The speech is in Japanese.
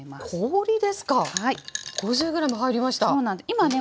今ね